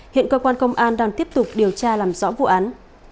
hiện cơ quan công an đang tiếp tục điều tra làm rõ vụ án